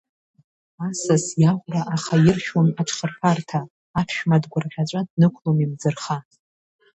Асас иаӷәра ахаиршәуам аҽхырԥарҭа, аԥшәма дгәырӷьаҵәа днықәлом имӡырха.